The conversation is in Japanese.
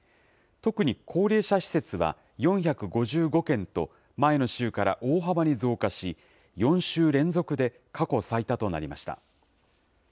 特に高齢者施設は４５５件と、前の週から大幅に増加し、４週連続で過去最多となりました。